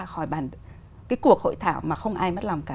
khỏi cuộc hội thảo mà không ai mất lòng cả